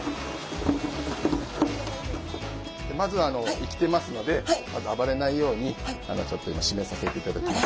まずは生きてますのでまず暴れないようにちょっと今しめさせていただきます。